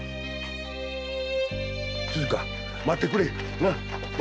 鈴華待ってくれ！